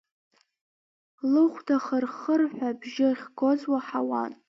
Лыхәда хыр-хырҳәа абжьы ахьгоз уаҳауан.